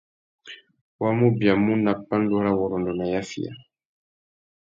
Wa mù biamú nà pandúrâwurrôndô nà yafiya.